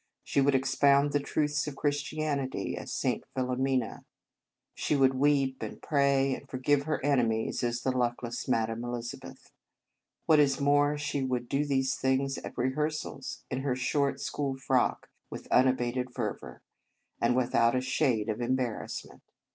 She would ex pound the truths of Christianity, as St. Philomena. She would weep, and 40 The Convent Stage pray, and forgive her enemies, as the luckless Madame Elisabeth. What is more, she would do these things at rehearsals, in her short school frock, with unabated fervour, and without a shade of embarrassment.